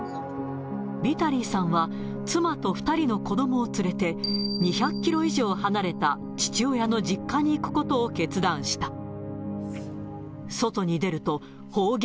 ビタリーさんは、妻と２人の子どもを連れて、２００キロ以上離れた父親の実家に行くことを決断した。